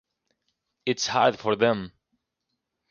It's hard for them.